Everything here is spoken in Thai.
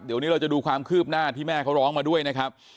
เดี๋ยวนี้เราจะดูความคืบหน้าที่แม่เขาร้องมาด้วยนะครับ